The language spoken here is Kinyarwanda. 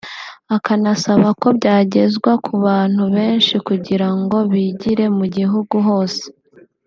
akanasaba ko byagezwa ku bantu benshi kugira ngo bigere mu gihugu hose